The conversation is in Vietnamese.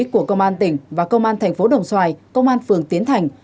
của công an tỉnh và công an tp đồng xoài công an phường tiến thành